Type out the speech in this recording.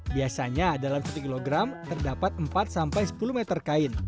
biasanya dalam satu kilogram terdapat empat sampai sepuluh meter kain